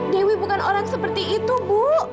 dewi bukan orang seperti itu bu